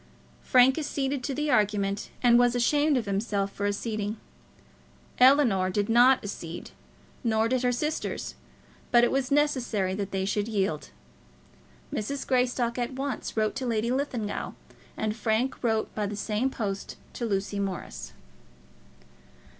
Frank acceded to the argument, and was ashamed of himself for acceding. Ellinor did not accede, nor did her sisters, but it was necessary that they should yield. Mrs. Greystock at once wrote to Lady Linlithgow, and Frank wrote by the same post to Lucy Morris.